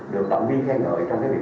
được tổng vi khen ngợi trong cái việc